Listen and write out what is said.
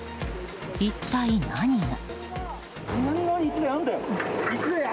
一体何が。